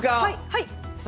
はい！